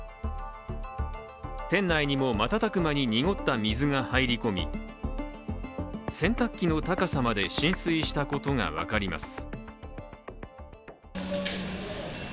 店内にも瞬く間に濁った水が入り込み洗濯機の高さまで浸水したことが分かります。